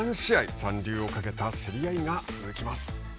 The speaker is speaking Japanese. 残留をかけた競り合いが続きます。